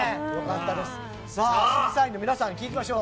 審査員の皆さんに聞いてみましょう。